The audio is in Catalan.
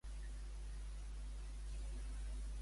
A quin déu li va restaurar el santuari?